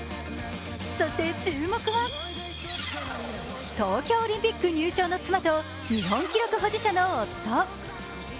そして注目は東京オリンピック入賞の妻と日本記録保持者の夫。